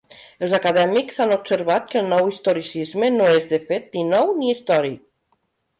Els acadèmics han observat que el Nou Historicisme no és, de fet, ni nou ni històric.